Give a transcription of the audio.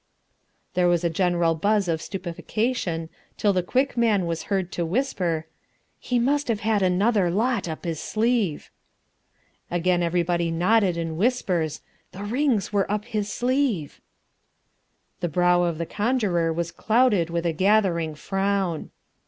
There was a general buzz of stupefaction till the Quick Man was heard to whisper, "He must have had another lot up his sleeve." Again everybody nodded and whispered, "The rings were up his sleeve." The brow of the conjurer was clouded with a gathering frown.